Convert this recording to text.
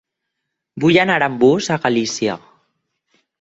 Vull anar amb bus a Galícia.